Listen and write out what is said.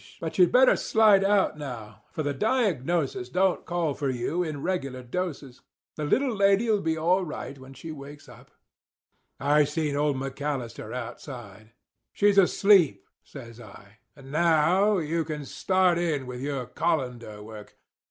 But you'd better slide out now; for the diagnosis don't call for you in regular doses. The little lady'll be all right when she wakes up.' "I seen old McAllister outside. 'She's asleep,' says I. 'And now you can start in with your colander work.